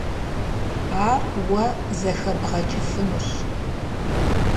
Ар уэ зэхэбгъэкӀыфынущ.